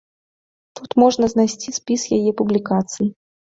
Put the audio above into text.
Тут можна знайсці спіс яе публікацый.